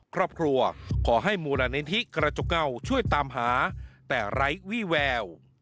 ครอบครัวขอให้มูลนิธิกระจกเงาช่วยตามหาแต่ไร้วี่แวว